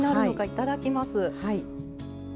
いただきます。